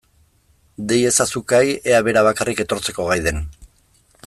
Deitu ezazu Kai ea bera bakarrik etortzeko gai den.